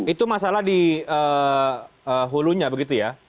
itu masalah di hulunya begitu ya